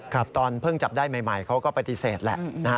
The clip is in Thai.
ครับตอนเพิ่งจับได้ใหม่เขาก็ปฏิเสธแหละนะฮะ